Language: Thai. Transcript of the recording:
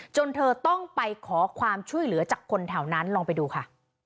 เธอต้องไปขอความช่วยเหลือจากคนแถวนั้นลองไปดูค่ะ